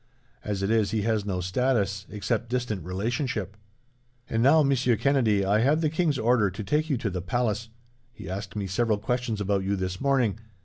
As it is, he has no status, except distant relationship. "And now, Monsieur Kennedy, I have the king's order to take you to the palace. He asked me several questions about you this morning.